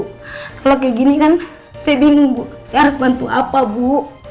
kalau kayak gini kan saya bingung bu saya harus bantu apa bu